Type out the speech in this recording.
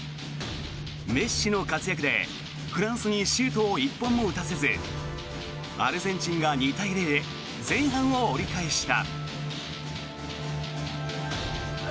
メッシの活躍で、フランスにシュートを１本も打たせずアルゼンチンが２対０で前半を折り返した。